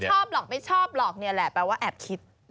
ชอบหรอกไม่ชอบหรอกนี่แหละแปลว่าแอบคิด